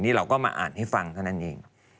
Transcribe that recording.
นี่เราก็มาอ่านให้ฟังเท่านั้นเอง